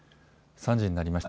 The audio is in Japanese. ３時になりました。